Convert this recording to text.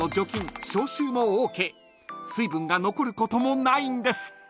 ［水分が残ることもないんです］